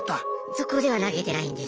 そこでは投げてないんです。